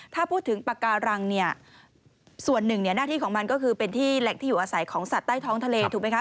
ถ้าพูดถึงปากการังเนี่ยส่วนหนึ่งเนี่ยหน้าที่ของมันก็คือเป็นที่แหล่งที่อยู่อาศัยของสัตว์ใต้ท้องทะเลถูกไหมคะ